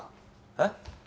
えっ？